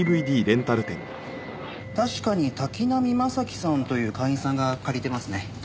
確かに滝浪正輝さんという会員さんが借りてますね。